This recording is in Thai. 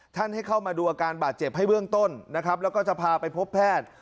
ท่านให้เข้ามาดูอาการบาดเจ็บให้เรื่องต้นแล้วก็จะพาไปพบแพทย์